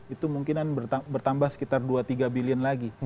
itu mungkin bertambah sekitar dua tiga billion lagi